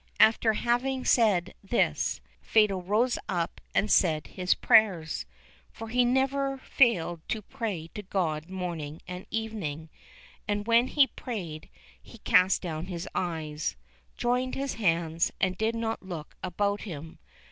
After having said this, Fatal rose up and said his prayers for he never failed to pray to God morning and evening and when he prayed he cast down his eyes, joined his hands, and did not look about him.